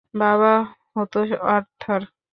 বাবা হতো আর্থার!